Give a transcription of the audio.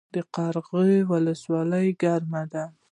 قرغیو ولسوالۍ ګرمه ده؟